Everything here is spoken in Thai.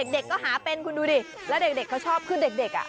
เด็กก็หาเป็นคุณดูดิแล้วเด็กเขาชอบขึ้นเด็ก